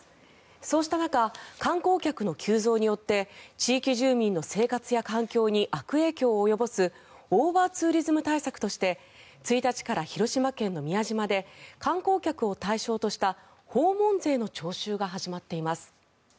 そうした中観光客の急増によって地域住民の生活や環境に悪影響を及ぼすオーバーツーリズム対策として１日から広島県の宮島で観光客を対象とした訪問税の徴収が始まっています。